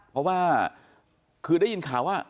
เพราะว่าคือได้ยินข่าวว่า